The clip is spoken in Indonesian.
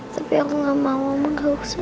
tapi aku gak mau ma gak usah